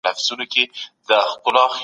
ستاسو په وجود کي به د سکون لمر ځلیږي.